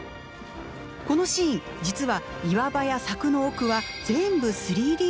このシーン実は岩場や柵の奥は全部３ＤＣＧ。